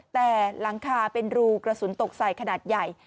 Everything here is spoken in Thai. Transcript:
แต่หลังคาเป็นรูกระสุนตกใส่ขนาดใหญ่